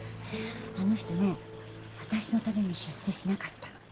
あの人ね私のために出世しなかったの。